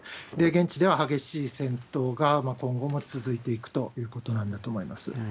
現地では激しい戦闘が、今後も続いていくということなんだと思います。